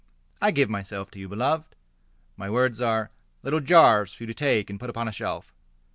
I give myself to you, Beloved! My words are little jars For you to take and put upon a shelf.